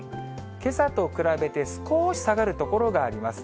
けさと比べて、少し下がる所があります。